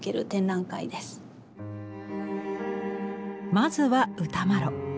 まずは歌麿。